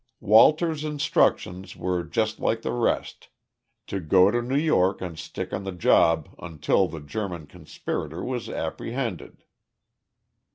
Walters' instructions were just like the rest to go to New York and stick on the job until the German conspirator was apprehended.